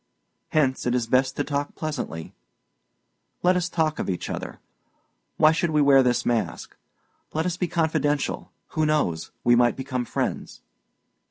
Hence it is best to talk pleasantly. Let us talk of each other; why should we wear this mask? Let us be confidential. Who knows? we might become friends."